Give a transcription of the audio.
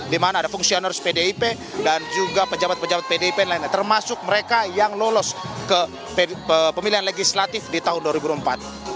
di mana ada fungsional pdip dan juga pejabat pejabat pdip lainnya termasuk mereka yang lolos ke pemilihan legislatif di tahun dua ribu dua puluh empat